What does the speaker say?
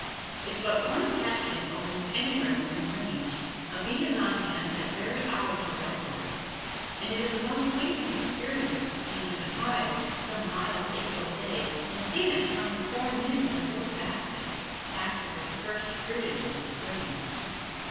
If but one catkin opens anywhere within range, a bee is on hand that very hour to rifle it, and it is a most pleasing experience to stand near the hive some mild April day and see them come pouring in with their little baskets packed with this first fruitage of the spring.